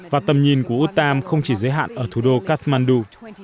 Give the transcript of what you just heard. và tầm nhìn của uttam không chỉ giới hạn ở thủ đô kathmandu